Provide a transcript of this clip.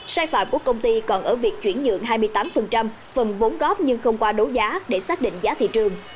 sai phạm của công ty còn ở việc chuyển nhượng hai mươi tám phần vốn góp nhưng không qua đấu giá để xác định giá thị trường